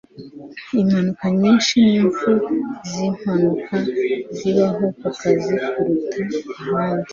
Impanuka nyinshi nimpfu zimpanuka zibaho kukazi kuruta ahandi